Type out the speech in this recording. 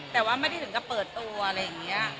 แต่ว่าไม่ได้ถึงกับเปิดตัวอะไรอย่างนี้